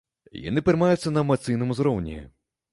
Яны прымаюцца на эмацыйным узроўні.